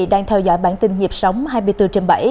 đang theo dõi bản tin nhịp sống hai mươi bốn trên bảy